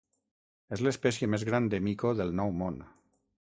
És l'espècie més gran de mico del Nou Món.